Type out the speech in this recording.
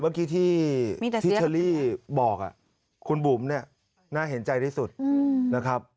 เมื่อกี้ที่เชอรี่บอกคุณบุ๋มเนี่ยน่าเห็นใจที่สุดนะครับ